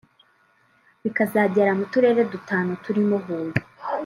bikazagera mu turere dutanu turimo Huye